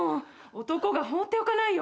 男が放っておかないよ。